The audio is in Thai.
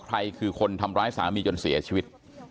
ใครคือคนทำร้ายสามีจนเสียชีวิต